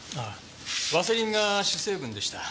ワセリンが主成分でした。